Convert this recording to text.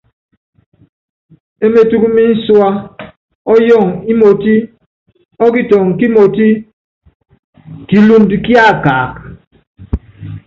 E metúkú mínsúá, ɔ́yɔɔŋɔ ímotí, ɔ́kitɔŋɔ kímotí, kilundɔ́ kíákaaka.